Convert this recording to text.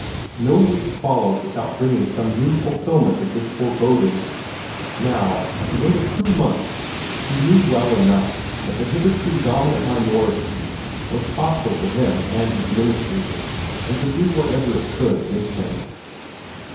No week followed without bringing some new fulfilment of this foreboding. Now, at the end of two months, he knew well enough that the hitherto dominant minority was hostile to him and his ministry, and would do whatever it could against him.